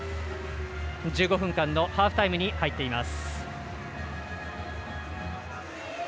１５分間のハーフタイムに入っています。